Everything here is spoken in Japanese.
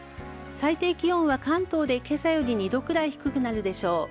最低気温は関東で、今朝より２度くらい低くなるでしょう。